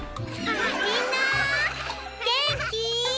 みんなーげんきー？